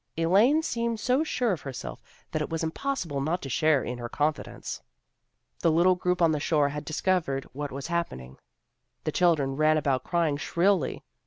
Elaine seemed so sure of herself that it was impossible not to share in her confidence. The little group on the shore had discovered what was happening. The children ran about crying shrilly.